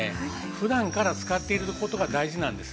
普段から使っている事が大事なんです。